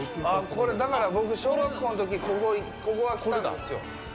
これ、だから僕、小学校のときここは来たんですよ。